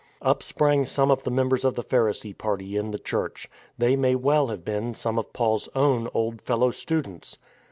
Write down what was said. Up sprang some of the members of the Pharisee party .in the Church. They may well have been some of Paul's own old fellow students.